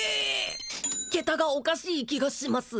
ケタがおかしい気がします